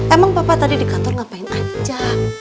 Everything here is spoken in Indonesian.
emang bapak tadi di kantor ngapain aja